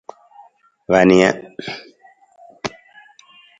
Wa nija.